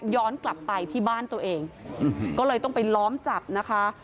ย้อนกลับไปที่บ้านตัวเองก็เลยต้องไปล้อมจับนะคะ